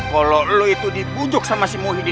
kalau lo itu dibujuk sama si muhyidi